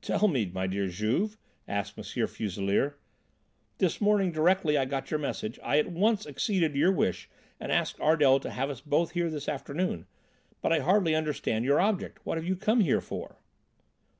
"Tell me, my dear Juve," asked M. Fuselier. "This morning directly I got your message I at once acceded to your wish and asked Ardel to have us both here this afternoon, but I hardly understand your object. What have you come here for?"